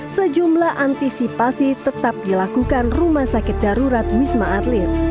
sejumlah antisipasi tetap dilakukan rumah sakit darurat wisma atlet